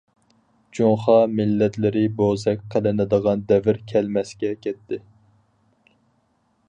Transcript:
جۇڭخۇا مىللەتلىرى بوزەك قىلىنىدىغان دەۋر كەلمەسكە كەتتى.